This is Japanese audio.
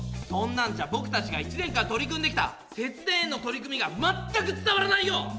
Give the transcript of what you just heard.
そんなんじゃぼくたちが１年間取り組んできた節電への取り組みがまったく伝わらないよ！